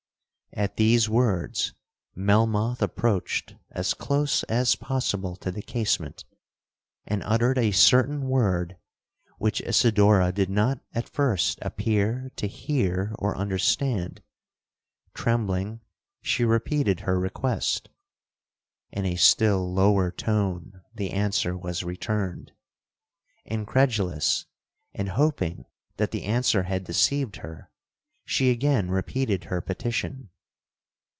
'At these words, Melmoth approached as close as possible to the casement, and uttered a certain word which Isidora did not at first appear to hear, or understand—trembling she repeated her request. In a still lower tone the answer was returned. Incredulous, and hoping that the answer had deceived her, she again repeated her petition.